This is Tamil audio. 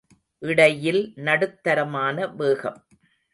இடையில் நடுத்தரமான வேகம்.